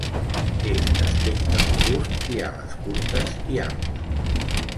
És d'aspecte robust i ales curtes i amples.